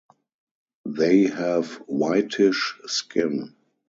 They have whitish skin.